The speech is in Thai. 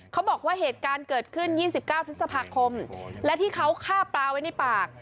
เขาบอกว่าเหตุการณ์เกิดขึ้น๒๙พฤษภาคมและที่เขาฆ่าปลาไว้ในปาก